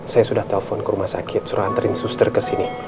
saya sudah telpon ke rumah sakit suruh anterin suster kesini